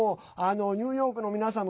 ニューヨークの皆さん